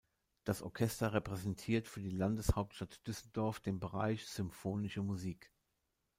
Das Orchester repräsentiert für die Landeshauptstadt Düsseldorf den Bereich Symphonische Musik.